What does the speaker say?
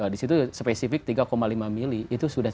disitu spesifik tiga lima mili itu sudah